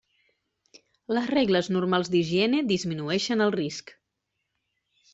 Les regles normals d'higiene disminueixen el risc.